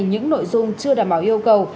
những nội dung chưa đảm bảo yêu cầu